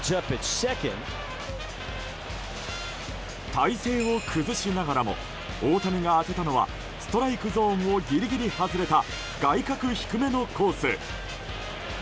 体勢を崩しながらも大谷が当てたのはストライクゾーンをギリギリ外れた外角低めのコース。